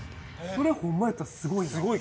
それホンマやったらすごいなええ？